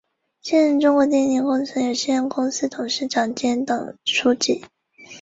白衣古镇古建筑群位于平昌县白衣古镇。